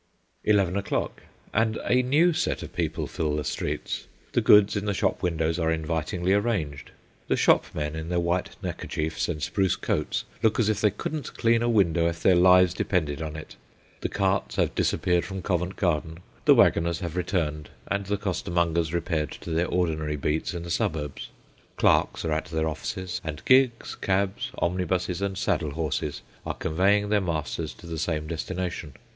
Eleven o'clock, and a new set of people fill the streets. The goods in the shop windows are invitingly arranged ; the shopmen in their white neckerchiefs and spruce coats, look as if they couldn't clean a window if their lives depended on it ; the carts have disappeared from Covent Garden ; the waggoners have returned, and the costermongers repaired to their ordinary " beats " in the suburbs ; clerks are at their offices, and gigs, cabs, omnibuses, and saddle horses, are conveying their masters to the same destination.